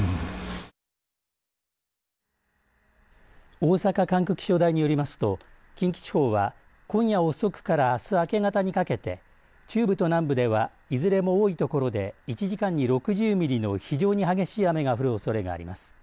大阪管区気象台によりますと近畿地方は今夜遅くからあす明け方にかけて中部と南部ではいずれも多い所で１時間に６０ミリの非常に激しい雨が降るおそれがあります。